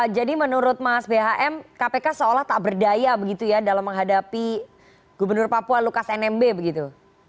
jadi menurut mas bhm kpk seolah tak berdaya begitu ya dalam menghadapi gubernur papua lukas nmb begitu